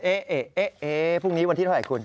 เอ๊ะเอ๊ะเอ๊ะเอ๊ะพรุ่งนี้วันที่เท่าไหร่คุณ